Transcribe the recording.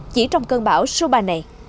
chỉ trong cơn bão số ba này